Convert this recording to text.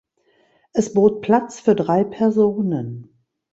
Es bot Platz für drei Personen.